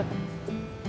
kalau enggak terus terang